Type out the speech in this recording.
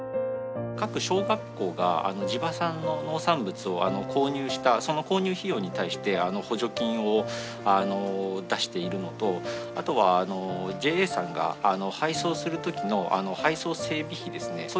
各小学校が地場産の農産物を購入したその購入費用に対して補助金を出しているのとあとはＪＡさんが配送する時の配送整備費ですね。